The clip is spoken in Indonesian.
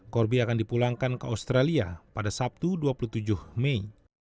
corby akan dipulangkan ke australia pada sabtu dua puluh tujuh mei